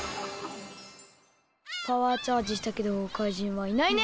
パワーチャージしたけど怪人はいないね。